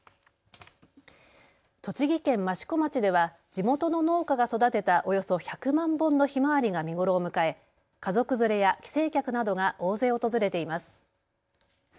栃木県益子町では地元の農家が育てたおよそ１００万本のひまわりが見頃を迎え家族連れや帰省客などが大勢訪れています。